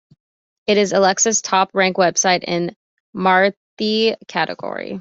It is Alexa's top ranked web-site in Marathi category.